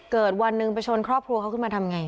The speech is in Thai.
วันหนึ่งไปชนครอบครัวเขาขึ้นมาทำไง